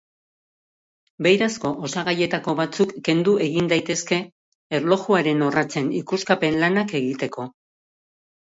Beirazko osagaietako batzuk kendu egin daitezke, erlojuaren orratzen ikuskapen-lanak egiteko.